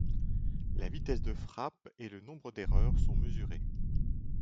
La vitesse de frappe et le nombre d'erreur sont mesurés.